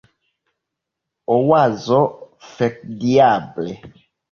Oazo: "Fekdiable!"